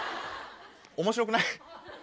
面白くない？